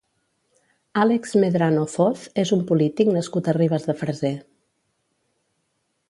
Àlex Medrano Foz és un polític nascut a Ribes de Freser.